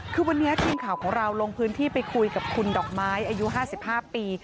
คือวันนี้ทีมข่าวของเราลงพื้นที่ไปคุยกับคุณดอกไม้อายุ๕๕ปี